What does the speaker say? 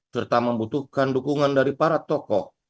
serta membutuhkan dukungan dari para tokoh